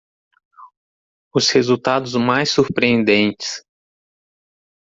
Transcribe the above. Os resultados mais surpreendentes